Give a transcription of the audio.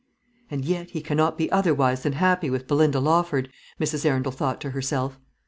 "And yet he cannot be otherwise than happy with Belinda Lawford," Mrs. Arundel thought to herself.